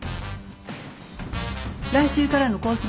来週からのコース